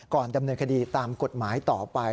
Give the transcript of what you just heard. ดำเนินคดีตามกฎหมายต่อไป